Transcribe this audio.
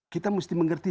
kita mesti mengerti